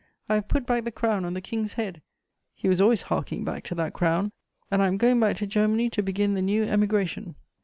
I have put back the crown on the King's head" he was always harking back to that crown "and I am going back to Germany to begin the new Emigration."